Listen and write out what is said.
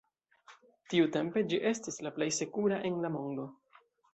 Tiutempe ĝi estis la plej sekura en la mondo.